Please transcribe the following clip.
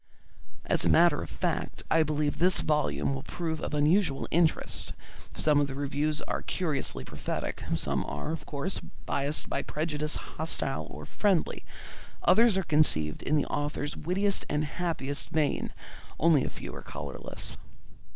As a matter of fact, I believe this volume will prove of unusual interest; some of the reviews are curiously prophetic; some are, of course, biassed by prejudice hostile or friendly; others are conceived in the author's wittiest and happiest vein; only a few are colourless.